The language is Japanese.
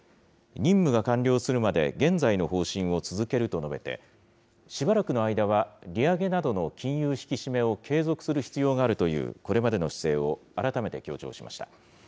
任務が完了するまで現在の方針を続けると述べて、しばらくの間は利上げなどの金融引き締めを継続する必要があるというこれまでの姿勢を改めて強調しました。